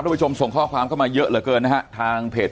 ผู้ชมส่งข้อความเข้ามาเยอะเหลือเกินนะฮะทางเพจ